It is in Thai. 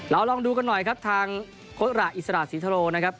แล้วลองดูกันหน่อยทางโครตระอิสระศิษฐโร